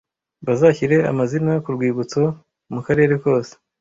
Bazashyire amazina ku rwibutso mu karere kose